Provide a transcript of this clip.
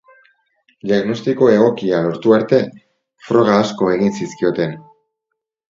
Diagnostiko egokia lortu arte, froga asko egin zizkioten.